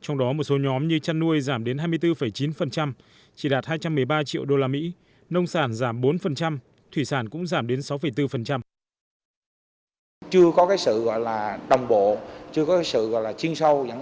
trong đó một số nhóm như chăn nuôi giảm đến hai mươi bốn chín chỉ đạt hai trăm một mươi ba triệu usd